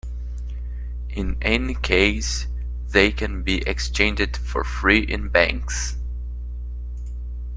In any case, they can be exchanged for free in banks.